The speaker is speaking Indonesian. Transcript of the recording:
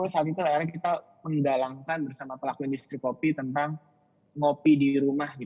saat itu akhirnya kita menggalangkan bersama pelaku industri kopi tentang ngopi di rumah